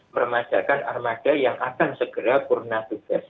meremajakan armada yang akan segera purna tugas